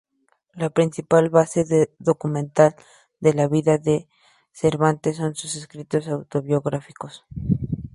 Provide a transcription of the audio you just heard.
La principal base documental de la vida de Cervantes son sus escritos autobiográficos.